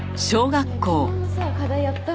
ねえ昨日のさ課題やった？